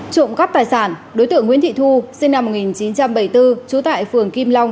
trộm cắp tài sản đối tượng nguyễn thị thu sinh năm một nghìn chín trăm bảy mươi bốn trú tại phường kim long